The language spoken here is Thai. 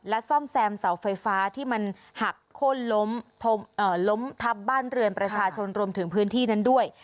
ซ่อมแซมเสาไฟฟ้าที่มันหักโค้นล้มทับบ้านเรือนประชาชนรวมถึงพื้นที่นั้นด้วย